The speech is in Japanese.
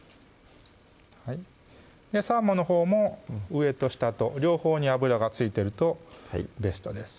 はいサーモンのほうも上と下と両方に油が付いてるとベストです